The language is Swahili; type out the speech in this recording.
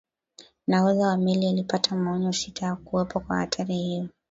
nahodha wa meli alipata maonyo sita ya kuwepo kwa hatari hiyo